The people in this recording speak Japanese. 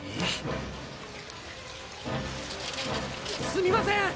すみません！